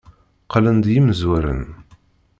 Qqlen-d yimezrawen.